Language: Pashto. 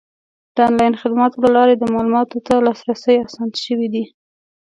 د آنلاین خدماتو له لارې د معلوماتو ته لاسرسی اسان شوی دی.